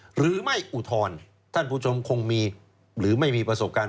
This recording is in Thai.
อุทธรณ์ท่านผู้ชมคงมีหรือไม่มีประสบการณ์